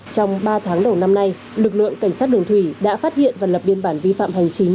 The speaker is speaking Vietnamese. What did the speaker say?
trong ba tháng đầu năm nay lực lượng cảnh sát đường thủy đã phát hiện và lập biên bản vi phạm hành chính